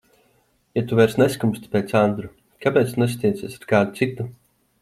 Ja tu vairs neskumsti pēc Andra, kāpēc tu nesatiecies ar kādu citu?